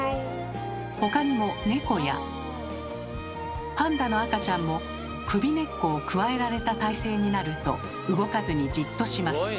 他にもネコやパンダの赤ちゃんも首根っこをくわえられた体勢になると動かずにじっとします。